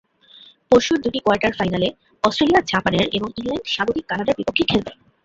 পরশুর দুটি কোয়ার্টার ফাইনালে অস্ট্রেলিয়া জাপানের এবং ইংল্যান্ড স্বাগতিক কানাডার বিপক্ষে খেলবে।